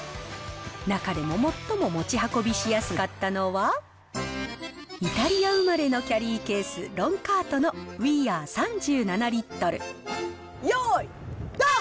中でも最も持ち運びしやすかったのは、イタリア生まれのキャリーケース、ロンカートのウィーアー３７リットル。